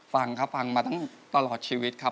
ฟังครับฟังมาตั้งตลอดชีวิตครับ